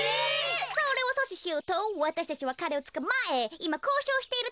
それをそししようとわたしたちはかれをつかまえいまこうしょうしているところなんです。